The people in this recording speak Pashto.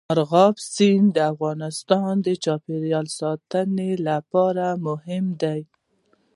مورغاب سیند د افغانستان د چاپیریال ساتنې لپاره مهم دی.